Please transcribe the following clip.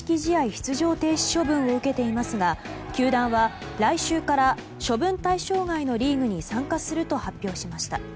出場停止処分を受けていますが球団は、来週から処分対象外のリーグに参加すると発表しました。